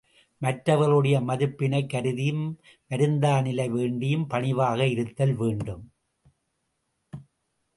மற்றவர்களுடைய மதிப்பினைக் கருதியும் வருந்தா நிலை வேண்டியும் பணிவாக இருத்தல் வேண்டும்.